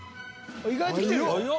［意外ときてるよ］